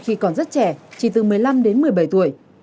khi còn rất trẻ chỉ từ một mươi năm đến một mươi bảy tuổi